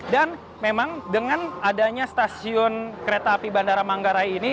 dan memang dengan adanya stasiun kereta api bandara manggarai ini